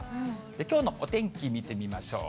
きょうのお天気、見てみましょう。